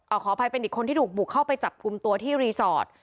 ขออภัยเป็นอีกคนที่ถูกบุกเข้าไปจับกลุ่มตัวที่รีสอร์ท